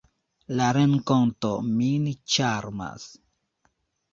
La renkonto min ĉarmas.